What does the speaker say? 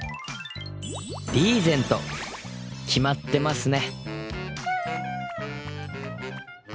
リーゼント決まってますね